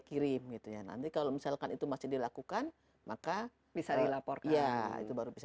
kirim gitu ya nanti kalau misalkan itu masih dilakukan maka bisa dilaporkan itu baru bisa